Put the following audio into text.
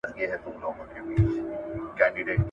که يو کس په سيمه کې دا اندازه علم ولري، نور مسؤل نه دي.